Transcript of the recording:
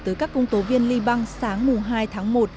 tới các công tố viên lyby sáng mùa hai tháng một